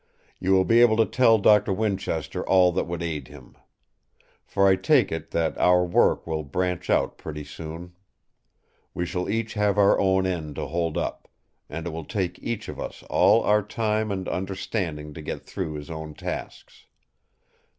You will be able to tell Doctor Winchester all that would aid him. For I take it that our work will branch out pretty soon. We shall each have our own end to hold up; and it will take each of us all our time and understanding to get through his own tasks.